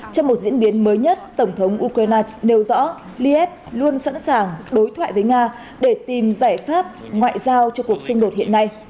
trong một diễn biến mới nhất tổng thống ukraine nêu rõ liyev luôn sẵn sàng đối thoại với nga để tìm giải pháp ngoại giao cho cuộc xung đột hiện nay